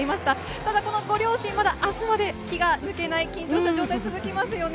ただこのご両親、まだあすまで気が抜けない、緊張した状態続きますよね。